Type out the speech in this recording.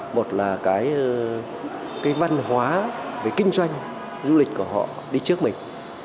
một là cái văn hóa về kinh doanh du lịch của họ đi trước mình